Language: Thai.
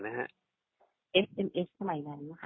รู้จักกันในไหนไหม